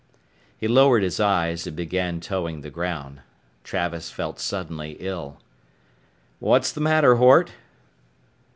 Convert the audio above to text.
He lowered his eyes and began toeing the ground. Travis felt suddenly ill. "What's the matter, Hort?"